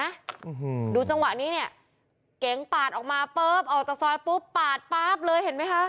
อืมดูจังหวะนี้เนี่ยเก๋งปาดออกมาปุ๊บออกจากซอยปุ๊บปาดป๊าบเลยเห็นไหมคะ